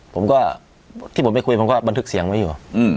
ผมก็ที่ผมไปคุยผมก็บันทึกเสียงไว้อยู่